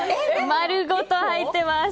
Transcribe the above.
丸ごと入ってます。